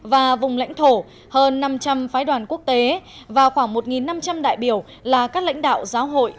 và vùng lãnh thổ hơn năm trăm linh phái đoàn quốc tế và khoảng một năm trăm linh đại biểu là các lãnh đạo giáo hội